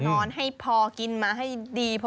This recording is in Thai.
นอนให้พอกินมาให้ดี